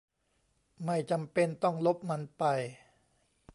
ไม่จำเป็นต้องลบมันไป